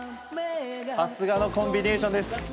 さすがのコンビネーションです。